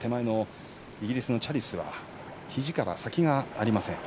イギリスのチャリスはひじから先がありません。